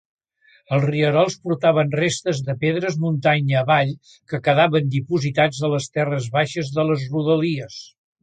Els rierols portaven restes de pedres muntanya avall que quedaven dipositats a les terres baixes de les rodalies.